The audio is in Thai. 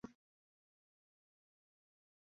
อุทะกัง